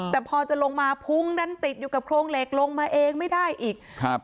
แต่พอจะลงมาพุงนั้นติดอยู่กับโครงเหล็กลงมาเองไม่ได้อีกครับ